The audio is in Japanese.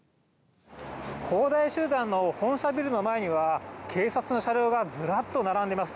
恒大集団の本社ビルの前には、警察の車両がずらっと並んでいます。